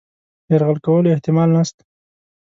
یرغل کولو احتمال نسته.